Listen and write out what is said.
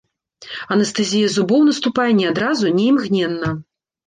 Анестэзія зубоў наступае не адразу, не імгненна.